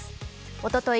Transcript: おととい